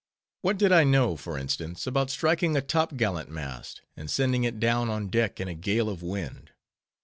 _ What did I know, for instance, about striking a top gallant mast, and sending it down on deck in a gale of wind?